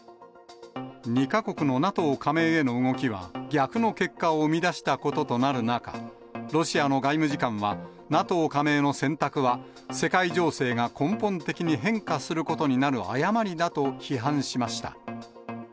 ２か国のＮＡＴＯ加盟への動きは、逆の結果を生み出したこととなる中、ロシアの外務次官は、ＮＡＴＯ加盟の選択は世界情勢が根本的に変化することになる誤りだと批判しました。